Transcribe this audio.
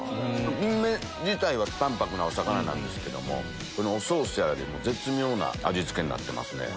キンメ自体は淡泊なお魚なんですけどもこのおソースやらで絶妙な味付けになってますね。